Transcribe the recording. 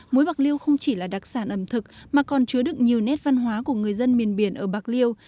muối bạc liêu không chỉ là đặc sản ẩm thực mà còn chứa đựng nhiều nét văn hóa của người dân miền biển ở bạc liêu